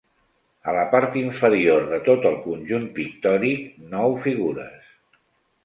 A la part inferior de tot el conjunt pictòric nou figures.